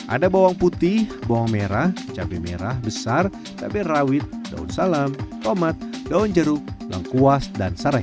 ada bawang putih bawang merah cabai merah besar cabai rawit daun salam tomat daun jeruk lengkuas dan serai